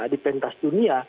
di pentas dunia